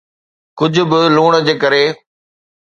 ڪجھ به لوڻ جي ڪري